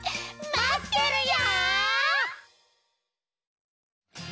まってるよ！